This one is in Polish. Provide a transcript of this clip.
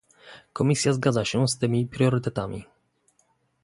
Komisja zgadza się z tymi priorytetami